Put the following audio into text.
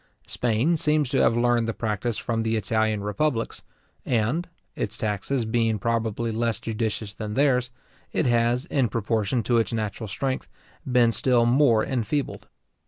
Spain seems to have learned the practice from the Italian republics, and (its taxes being probably less judicious than theirs) it has, in proportion to its natural strength, been still more enfeebled.